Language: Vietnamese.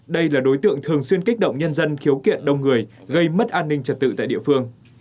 đây là đối tượng thường xuyên kích động nhân dân khiếu kiện đông người gây mất an ninh trật tự tại địa phương